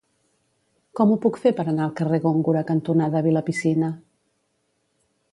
Com ho puc fer per anar al carrer Góngora cantonada Vilapicina?